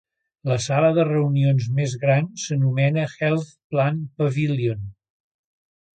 La sala de reunions més gran s'anomena Health Plan Pavilion.